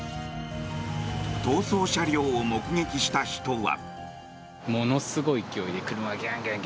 逃走する車両を目撃した人は。